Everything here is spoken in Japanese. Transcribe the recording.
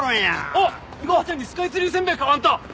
あっお母ちゃんにスカイツリーせんべい買わんと。